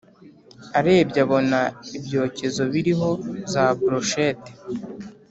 arebye abona ibyokezo biliho za broshete,